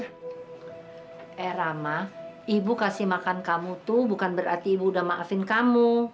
eh rama ibu kasih makan kamu tuh bukan berarti ibu udah maafin kamu